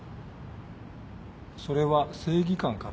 それは正義感から？